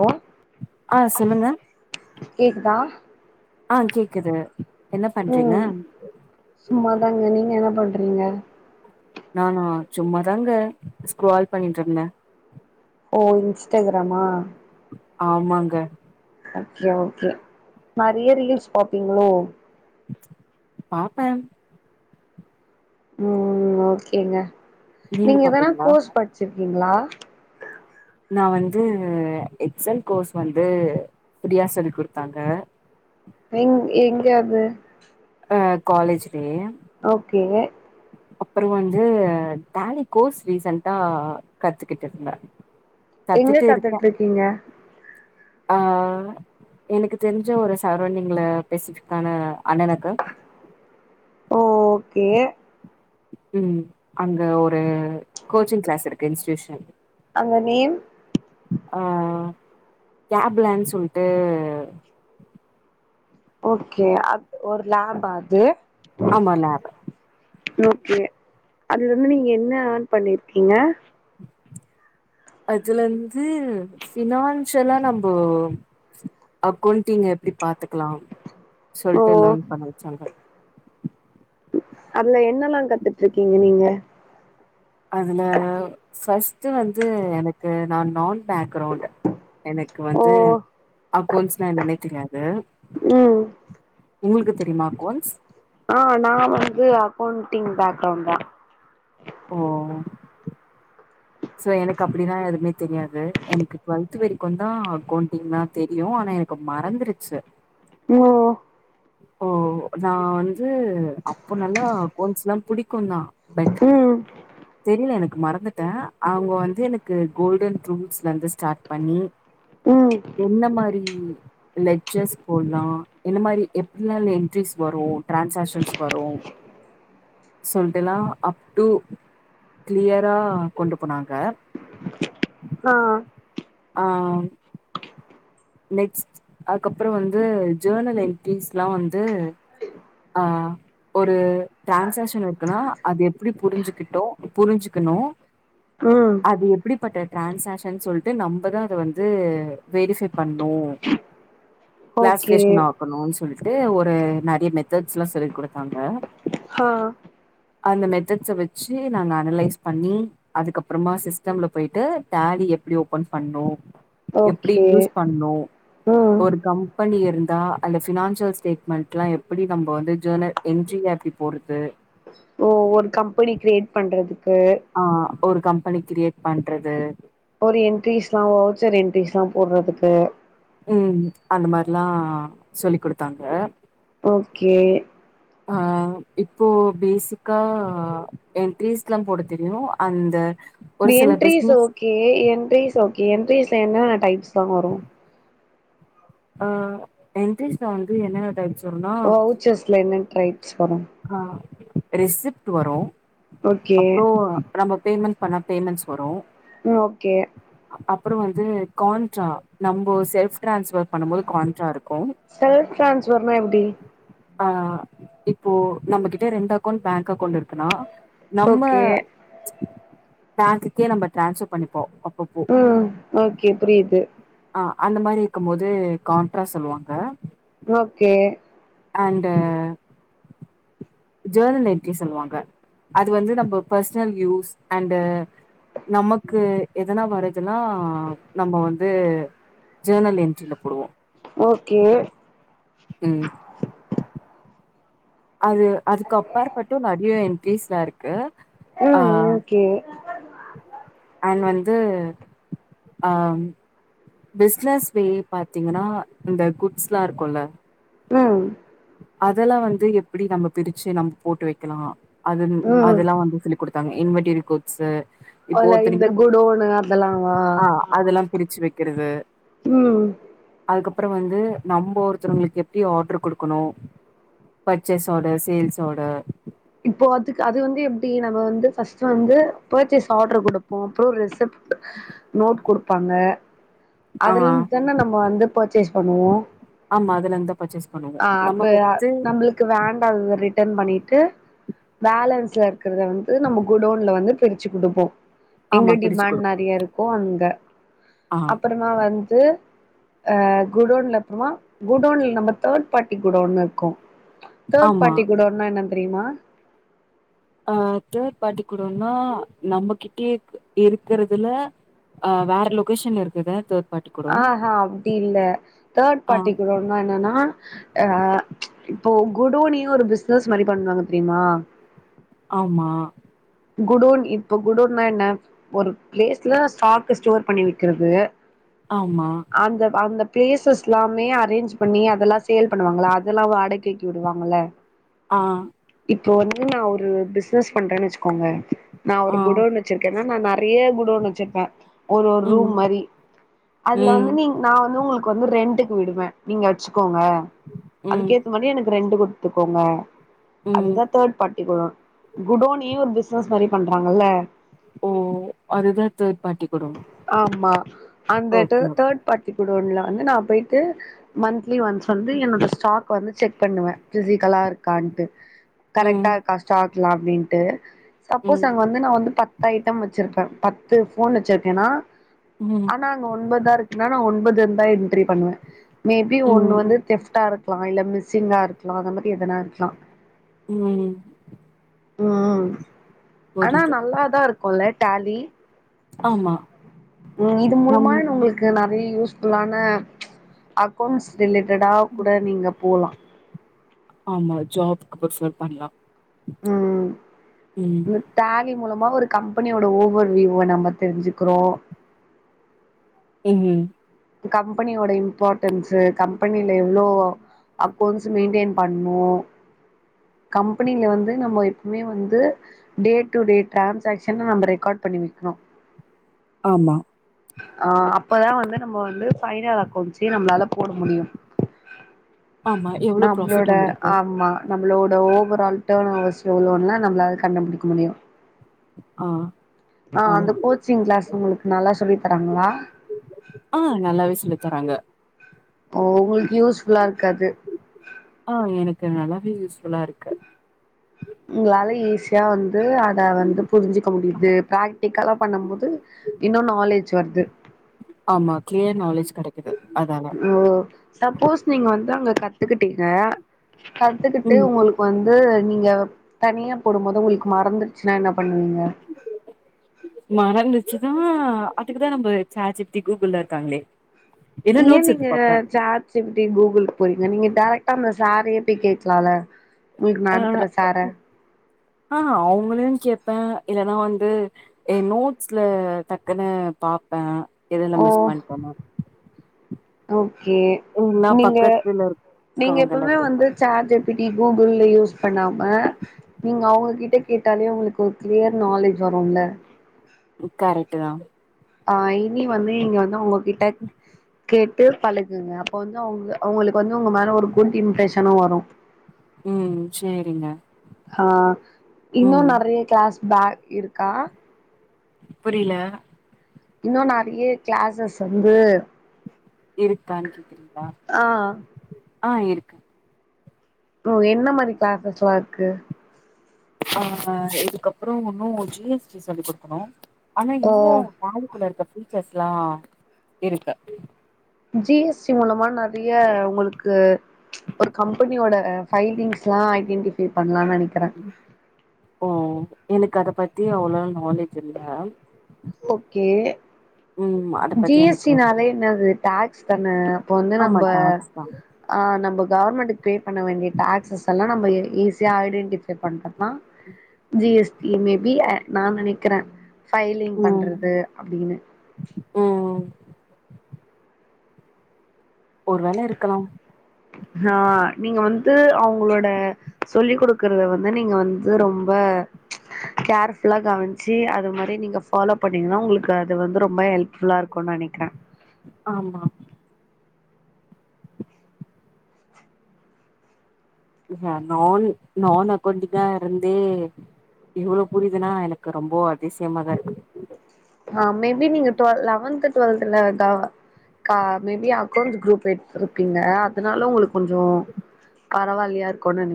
Hello ஆ சொல்லுங்க கேக்குதா ஆஹ் கேக்குது என்ன பண்றீங்க உம் சும்மாதாங்க நீங்க என்ன பண் றீங்க நானா சும்மா தாங்க ஸ்கரால் பண்ணிட்டு இருந்தே ஓ இன்ஸ்டாகிராமா ஆமாங்க ஓகே-ஓகே நெறைய ரீல்ஸ் பாப்பீங்களோ பாப்பே உம் ஓகேங்க நீங்க எதனா கோர்ஸ் படிச்சிரு கீங்களா நா வந்து எக்ஸ் எல் கோர்ஸ் வந்து ப்ரீயா சொல்லிக் கொடுத்தாங்க எங்-எங்க அது அஹ் காலேஜி ஓகே அப்புற வந்து டாலி கோர்ஸ் ரீசன்டா கத்துக்கிட்டு இருந்த எங்க கத்துட்டு இருக்கீங்க ஆஹ எனக்கு தெரிஞ்ச ஒரு சரௌண்டிங்ல பெஸிபிக்கான அண்ணா நகர் ஓகே ம்ம் அங்க ஒரு கோச்சிங் கிளாஸ் இருக்கு இன்ஸ்டூஷன் அங்க நேம் ஆ கேப்லன்னு சொல்லிட்டு ஓகே அ ஒரு லேப்பா அது ஆமா லேப் ஓகே அதுல இருந்து நீங்க என்ன ஆன் பண்ணிருக்கீங்க அதுல வந்து பினான்சியலா நம்ம அக்கௌண்டிங் எப்படி பாத்துக்கலாம் ஓ சொல்லிட்டு லேர்ன் பண்ண வச்சாங்க அதுல என்னல்லாம் கத்துட்டு இருக்கீங்க நீங்க அதுல ஃபஸ்ட் வந்து எனக்கு நான் நான் பேக்ரவுண்ட் எனக்கு ஓ வந்து அக்கவுண்ட்ஸ் என்னனே தெரியாது உம் உங்களுக்கு தெரியுமா அக்கோன்ஸ் ஆஹ் நான் வந்து அக்கௌண்டண்டிங் பேக்கிரவுட் தான் ஓ சோ எனக்கு அப்படிலாம் எதுவுமே தெரியாது எனக்கு டுவெல்த் வரைக்கும்ந்தான் அக்கவுண்டிங்ல்லா தெரியும் ஆனா எனக்கு மறந்துருச்சு ம் ஓ நான் வந்து அப்ப நல்லா அக்கொன்சல்லாம் புடிக்கும் தான் பட் ம் தெரியல எனக்கு மறந்துட்டேன் அவங்க வந்து எனக்கு கோல்டன் ருடூல்ஸ்ல இருந்து ஸ்டார்ட் பண்ணி உஹம் லெர்ஸ் போடலாம் இந்த மாதிரி எப்ப என்ட்ரிஸ் வரும் டான்சாகஷன்ஸ் வரும் சொல்லட்டுல்லாம் அப்டூ கிளியரா கொண்டு போனாங்க ஆ ஆஹ் நெக்ஸ்ட் அதுக்கப்புறம் வந்து ஜேர்னல் என்டீஸ் எல்லாம் வந்து ஆஹ் ஒரு டிரான்சாகஷன் இருக்குன்னா அது எப்படி புரிஞ்சுக்கிட்டோ புரிஞ்சுக்கணும் ம் அது எப்படிப் டிரான்சாஷன் சொல்லிட்டு நம்மதான் அத வந்து வெரிஃபை பண்ணனும் ஓகே கிளாஸ்கேஷன் ஆக்கணும்ன்னு சொல்லிட்டு ஒரு நிறைய மெ எல்லாம் சொல்லிக்கொடுத்தாங்க. ஆஹ் அந்த மெத்தட்ஸ வச்சு நாங்க அனலைஸ் பண்ணி அதுக்கப்புறமா சிஸ்டம்ல போயிட்டு டேலி எப்படி ஓபன் பண்ணும் எப்படி ஓகே யூஸ் பண்ணும் ம் ஒரு கம்பெனி இருந்தா அந்த பினான்சியல் ஸ்டேட்மெண்ட் எல்லாம் எப்படி நம்ம வந்து ஜர்னல் என்ட்ரில எப்படி போற்றது ஓ ஒரு கம்பெனி கிரியேட் பண்றது ஆஹ் ஒரு கம்பெனி கிரேட் பண்றது ஒரு என்ட்ரிஸ்ல்லாம் வவுச்சர் என்ட்ரிஸ் எல்லாம் போடுறதுக்கு உம் அந்த மாதிரல்லாம் சொல்லி் கொடுத்தாங்க ஓகே ஆஹ இப்போ பேசிக்கா என்ட்ரிஸ் எல்லாம் போட தெரியும் அந்த ஒரு சில entries business okay entries okay entries என்னென்ன டைப்ஸ் தான் வரும் அஹ் என்டரீஸ்ல வந்து என்ன டைப்ஸ் ஓ ஓச்சஸ்ல என்னன் ட்ரை அய்ச்சு ஆஹ் ரிசிப்ட் வரும் ஓகே அப்புறம் நம்ம பேமன்ட் அப்பனா பேமெண்ட்ஸ் வரும் உம் ஓகே அப்புறம் வந்து கான்ட்ரா நம்ம செல்ப் டிரான்ஸ்பர் பண்ணும் போது கான்ட்ரா இருக்கும் செல்ஃப் ட்ரான்ஸ்ஃபர்னா எப்டி ஆஹ் இப்போ நம்மகிட்ட ரெண்டு அக்கௌண்ட் பேங்க் அக்கௌண்ட் இருக்குனா நம்ம ஓகே பேங்க்குக்கே நம்ம டிரான்ஸ்பர் பண்ணிப்போம் ஹம் ஓகே புரியுது ஆ அந்த மாரி இருக்கும் போது கான்ட்ரா சொல்லுவோல ஓகே அண்டு ஜோர்னல் என்ட்ரி சொல்லுவாங்க அது வந்து நம்ம பர்சனல் யூஸ் அண்ட் நமக்கு எதனா வரதுன்னா நம்ம வந்து ஜோர்னல் என்ட்ரியில போடுவோம் ஓகே உம் அது அதுக்கு அப்பார் பட்டு நறிய பீஸ்லா இருக்கு உம் ஓகே அன் வந்து அஹ் பிசினஸ் வே பாத்தீங்கன்னா இந்த குட்ஸ்ல்லாம் இருக்கும்ல உம் அதெல்லாம் வந்து எப்படி நம்ம பிரிச்சு நம்ம போட்டு வைக்கலாம் அதுன் ம் அதெல்லாம் வந்து சொல்லிகுடு த்து இன்வட்டரி கோட்ஸ் அதுல இந்த குடோன்னு அதெல்லாமா ஆ ஆமா அதெல்லா பிரிச்சு வைக்கிறது உம் அப்புறம் வந்து நம்ம ஒருத்தவங்களுக்கு எப்படி ஆர்டரு கொடுக்க கோன்னு பர்ச்சேஸோடர் சேல்ஸோடர் இப்போ அதுக்கு அது வந்து எப்படி நம்ம வந்துஃபஸ்ட் வந்து பர்ச்சேஸ் ஆர்டர் கொடுப்போம் அப்புறம் ரெசிப்ட் நோட் கொடுப்பாங்க ஆ அதுலந்து தானே நம்ம வந்து பர்ச்சேஸ் பண்ணுவோம் ஆமா அதுல அந்த ஆஹ் அப்ப நம்மளுக்கு வேண்டாதது ரிட்டன் பண்ணி ட்டு பேலன்ஸ்ல இருக்கிறத வந்து நம்ம குடோன்ல வந்து பிரிச்சு குடுப்போம் எங்க ஆமா பிரிச்சு டிமாண்ட் குடுப்போ நெறைய இருக்கும் அங்க ஆ அப்புறமா வந்து அஹா குடோன்ல அப்புறமா குடோன்ல நம்மக் தேர்ட் பார்ட்டி குடோன்னு இருக்கு தேர்ட் ஆமா பார்ட்டி குடோனா என்ன தெரியுமா ஆஹ தேர்ட் பார்ட்டி குடோன்னா நம்மகிட்டியே இருக் இருக்கறதுல அஹ் வேற லொகேஷன் இருக்குது தேத் ஆஹ்ஹா அப்டி இல்ல தேர்ட் ஆ பார்ட்டி குடோன்னா என்னன்னா அஹ் இப்போ குடோனியு ஒரு பிஸ்னஸ் மாரி பண்ணுவாங்க தெரியுமா ஆம்மா குடோன் இப்ப குடோன்னா என்ன ஒரு பிளேஸ்ல ஸ்டாக் ஸ்டோர் பண்ணி வெக்கிறது ஆமா அந்த அந்தப் பிளேசஸ் எல்லாமே அரேஞ்ச் பண்ணி அதெல்லா சேல் பண்ணுவாங்குள அதெல்லா வாடகைக்கு விடுவாங்குள்ள ஆஹ் இப்போ வந்து நா ஒரு பிஸ்னஸ் பண்றேன் வெச்சுக் கோங்க நா ஒரு ஆ குடோன்னு வெச்சிருக்கேன்னா நா நல் றிய குடோன்னு வேச்சுருப்பே ஒரு ஒரு ரூம் ம் மாரி அதுல ம் வந்து நீங் நா வந்து உங்குளுக்கு வந்து ரெண்ட்டுக் விடுவே நீங்க அச்சுக் கோங்க ம் அதுக்கு ஏத்த மாரி எனக் ரெண்டு குடுக் எத்துக்கோங்க ம் அதுதா தேட்பட் த்துகுளா குடோன் நீ ஒரு பிஸ்னஸ் மாரி பண்றாங்குல்ல ஓ அதுதான் தேர்ட் பார்ட்டி குடோன் ஆமா ஓக்கே ரூம்ல வந்து நா போயிட்டு மந் ந்லி ஒன்ஸ் வந்து என்னோட ஸ்டாக் உக்காந்து செக் பண்ணுவே பிசிக்கலா இருக்கான்ட்டு ம் கரெக்டா இருக்கா ஸ்டாக்குலாம் மிட்டு சப்போஸ் ம் அங்க வந்து நா வந்து பத் த்த ஐட்டம் வெச்சுருக்கோம் பத்து போனு வெச்சுருக்கேன்னா ம் ஆனா அங்க ஒன்பதா இருக்குன்னா நா ஒன்பது இதுருந்தா என்ரீ பண்ணுவே மேபி ம் ஒன்னு வந்து டெஷ்டா இருக் க்குலா இல்ல மிஸ்ஸிங்கா இருக்கலா அந்த மாதிரி எதனா இருக்கலா உம் உஹம் அனா நல்லாதா இருக்குல டால்லி ஆமா உம் இது நம் மூலம உங்களுக்கு நான் யூஸ் ஃபுல்லான அக்கவுண்ட்ஸ் ரிலேட்டடா கூட நீங்க போலாம் ஆமா ஜாப்கு பிபஹ்ர் பண்ணலாம் உம் இத்த டால்லி மூலமா ஒரு கம்பெனியோட ஓவர் வியூவ நம்ம தெரிஞ்சுக்கிறோம் உஹம்ஹம் கம்பெனியோட இம்பார்ட்டன்ஸ் கம்பெனில எவ்ளோ அக்கௌன் மெயடென் பண்ணும் கம்பெனில வந்து நம்ம எப்பவுமே வந்து டே டுடே டான்சாகஷன் நம்ம ரெக்கார்ட் பண்ணி வக்கணும் ஆமா ஆஹ் அப்பதான் வந்து நம்ம வந்து பைனல் அகொவுஷ்சு நம்மளால போட முடியும் ஆமா எவ்ளோ நம்மளோட ப்ராஃபிட் வந்துருக்கு ஆமா நம்மளோட ஓவரால் டர்ன் ஓவர்ஸ் எவ்ளோன நம்மளால கண்டுபிடிக்க முடியும் ஆ ஆஹ் அந்த ஆமா கோச்சிங் கிளாஸ் உங்களுக்கு நல்லா சொல்லி தராங்களா ஆ நல்லாவே சொல்லி தராங்க ஓ உங்களுக்கு யூஸ்புல்லா இருக்காது இது நல்லாவே யூஸ்ஃபுல்லா இருக்கு உங்களால ஈஸியா வந்து அத வந்து புரிஞ்சிக்க முடிது பிராக்டிக்கலா பண்ணும் போது இன்னும் நாலேஜ் வருது ஆமா கிளியர் நாலேஜ் கிடைக் ஓ சப்போஸ் நீங்க வந்து அங்க கத்துக்கிட்டீங்க கத்துக்கிட்டு ம் உங்களுக்கு வந்து நீங்க தனியா போடும்போது உங்களுக்கு மறந்துருச்சுன்னா என்ன பண்ணுவீங்க மறந்துச்சுனா அதுக்குதான் நம்ம சாட் ஜிப்டி கூகுள்லாம் இருக்காங்களே இல்ல ஏன் நோட்ஸ் எடுத்து நீங்க பாப்பே சேர்ஜீப்டி கூகுள் போயிங்க நீங்க டேரைட்டா வேற எப்டி கேக்கலாம்ல ஆஹ ஆஹ அவங்களையும் கேபேன் இல்லன்னா வந்து ஏ நோட்ஸ்ல டக்குன்னு பாப்பேன் எதுல்லா மிஸ் பண்டோனு ஓ கே எல்லா நீங்க பக்கத்துல நீங்க இருக்கவங்கள எப்பவுமே கேப்பா வந்து சார்ஜீப்டி கூகு யூஸ் பண்ணாம நீங்க அவங்ககிட்ட கேட்டாலே உங்களுக்கு ஒரு கிளியர் நாலேஜ் வரும்ல கரெக்ட்டு தான் ஆஹ இனி வந்து இங்க வந்து உங்ககிட்ட கேட்டு பழுகுங்க அப்ப வந்து அவங்க அவங்களுக்கு வந்து உங்க மேல ஒரு குட் இம்ப்ரெஷனும் வரும் ம் சேரிங்க ஆஹ இன்னும் ம் நெறைய கிளாஸ் பேக் இருக்கா புரியல இன்னும் நெறைய கிளாசஸ் வந்து இருகான்னு கேக்குறீங்களா ஆ ஆஹ இருக்கு ஓ என்ன மாதிரி கிளாச்சஸ் எல்லாம் இருக்கு அஹ இதுக்கப்புறம் ஒன்னும் ஜிஎஸ்டி சொல்லி குடுக்கிறோம் ஆனா ஓ இன்னும் பாலிக்குள்ள இருக்க ஃபீச்சர்ஸ் எல்லாம் இருக்கு ஜிஎஸ்டி மூலமா நெறைய உங்களுக்கு ஒரு கம்பெனியோட ஃபைலிங்ஸ் எல்லாம் ஐடென்டிபை பண் ஓ எனக்கு அத பத்தி அவ்வளோ நாலேஜ் இல்ல ஓகே ம் அத பத்தி எனக்கு ஜிஎஸ்டினாவே என்னது டேக்ஸ் தானா அப்ப வந்து ஆமா டாக்ஸ் தா நம்ப கவர்மெண்ட்டுக்கு க்ரேட் பண்ண வேண்டிய டாக்ஸஸ்ல்லாம் நம்ம ஈஸியாக ஐடென்டிஃபை பண்றோம்மா ம் T S P maybe நான் நினைக்கிறேன் ஃபைல் ம் பண்றது அப்படின்னு ம் ஒரு வேள இருக்கலாம் நா நீங்க வந்து அவங்க உங்களோட சொல்லிக் கொடுக்கறத வந்து நீங்க வந்து ரொம்ப கேர்புல்லா கவனிச்சு அது மாதிரி நீங்க ஃபாலோ பண்ணீங்கன்னா உங்களுக்கு அது வந்து ரொம்ப ஹெல்புல்லா இருக்கும் இருக்கு நினைக்கிறேன் ஆமா நான் நான் அக்கௌண்டிங்கா இருந்தே எவ்வளவு புரியுதுன்னா எனக்கு ரொம்ப அதிசயமாகதான் இருக்கு ஹ மேபி நீங்க லெவன்த் டுவெல்த்ல மேபி அக்கௌண்ஸ் குரூப் எடுத்திருப்பீங்க அதனால உங்களுக்கு கொஞ்சம் பரவாயில்யா இருக்குனும்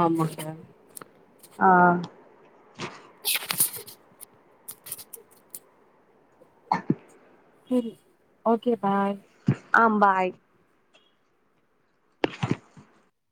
ஆமாக ஆஹ் [inaudible] ஓகேப் ப [inaudible] ஆம் பாய்